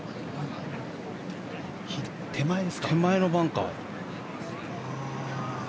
手前のバンカーか。